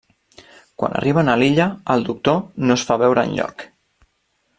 Quan arriben a l'illa, el doctor no es fa veure enlloc.